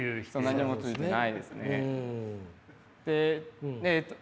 何もついてないですね。